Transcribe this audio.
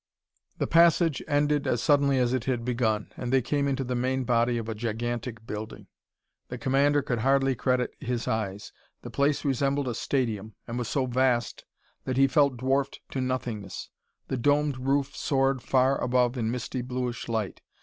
The passage ended as suddenly as it had begun, and they came into the main body of a gigantic building. The commander could hardly credit his eyes. The place resembled a stadium, and was so vast that he felt dwarfed to nothingness. The domed roof soared far above in misty bluish light.